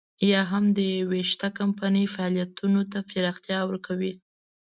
یا هم د يوې شته کمپنۍ فعالیتونو ته پراختیا ورکوي.